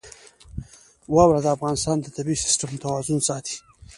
واوره د افغانستان د طبعي سیسټم توازن ساتي.